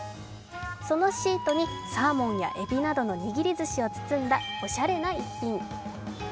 そのシートにサーモンやえびなどの握りずしを包んだおしゃれな一品。